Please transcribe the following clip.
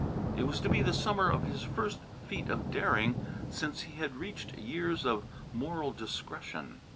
It was to be the summer of his first feat of daring since he had reached years of moral discretion.